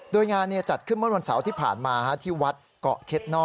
โดยงานจัดขึ้นเมื่อวันเสาร์ที่ผ่านมาที่วัดเกาะเข็ดน่อ